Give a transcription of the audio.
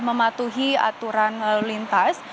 mematuhi aturan lintas